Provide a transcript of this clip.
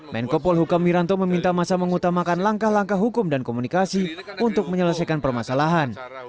menko polhukam wiranto meminta masa mengutamakan langkah langkah hukum dan komunikasi untuk menyelesaikan permasalahan